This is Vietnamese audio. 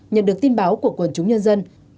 nhận được tin báo của quần chúng nhân dân